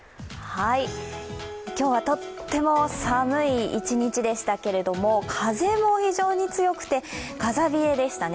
今日はとっても寒い一日でしたけど、風も非常に強くて、風冷えでしたね